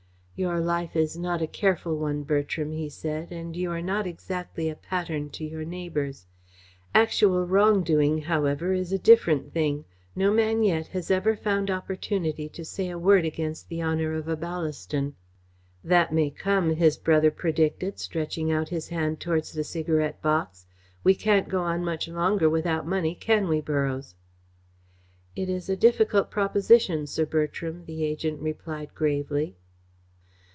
"Your life is not a careful one, Bertram," he said, "and you are not exactly a pattern to your neighbours. Actual wrong doing, however, is a different thing. No man yet has ever found opportunity to say a word against the honour of a Ballaston." "That may come," his brother predicted, stretching out his hand towards the cigarette box. "We can't go on much longer without money, can we, Borroughes?" "It is a difficult proposition, Sir Bertram," the agent replied gravely.